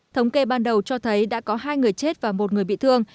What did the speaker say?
thống kê ban đầu cho thấy đã có hai người chết và một người bị thương